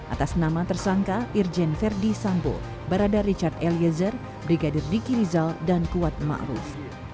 atas nama tersangka irjen ferdisambo barada richard eliezer brigadir diki rizal dan kuat ma'ruf